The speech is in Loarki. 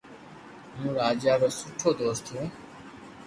ھون راجا رو سٺو دوست ھون